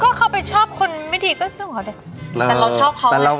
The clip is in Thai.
ก็เข้าไปชอบคนไม่ดีก็รักเขาด้วย